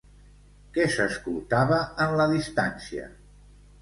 Què s'escoltava en la distància?